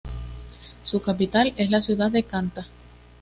Su capital es la ciudad de Canta.